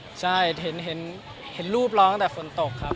เผซี๊เห็นรูปร้องแบบฝนตกครับ